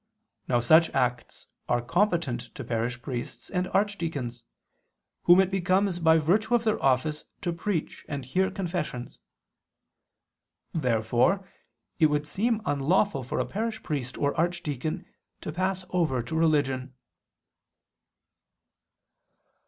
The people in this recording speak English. Now such acts are competent to parish priests and archdeacons, whom it becomes by virtue of their office to preach and hear confessions. Therefore it would seem unlawful for a parish priest or archdeacon to pass over to religion.